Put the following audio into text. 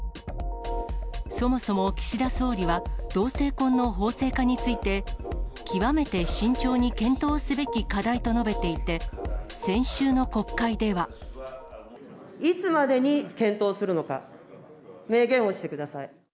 そもそも岸田総理は、同性婚の法制化について、極めて慎重に検討すべき課題と述べていいつまでに検討するのか、明言をしてください。